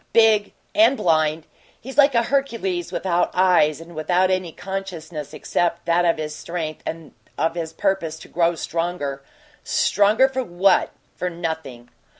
Big and blind. He's like a Hercules without eyes and without any consciousness except that of his strength and of his purpose to grow stronger. Stronger for what? For nothing."